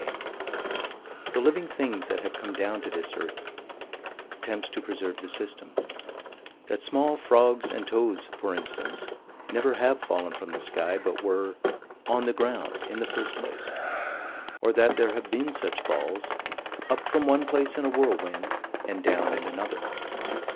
7 The living things that have come down to this earth: Attempts to preserve the system: That small frogs and toads, for instance, never have fallen from the sky, but were "on the ground, in the first place"; or that there have been such falls "up from one place in a whirlwind, and down in another."